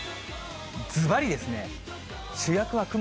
ずばりですね、主役は雲。